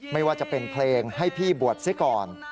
ไม่ว่าจะเป็นเพลงให้พี่บวชซะก่อน